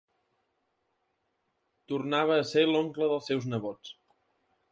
Tornava a ser l’oncle dels seus nebots.